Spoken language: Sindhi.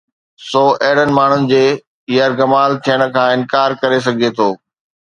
سو اهڙن ماڻهن جي يرغمال ٿيڻ کان انڪار ڪري سگهي ٿو.